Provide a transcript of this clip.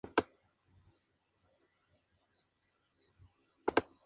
Va a ser una presión para São Paulo y espero llegar allá para sumar.